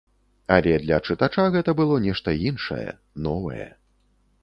Але для чытача гэта было нешта іншае, новае.